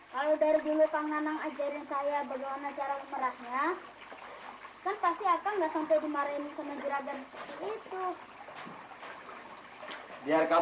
kalau dari dulu kang nanang ajarin saya bagaimana cara memerahnya kan pasti akan nggak sampai dimarahin sama juragan